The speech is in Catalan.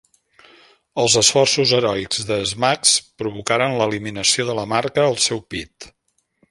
Els esforços heroics de Smax provocaren l'eliminació de la marca al seu pit.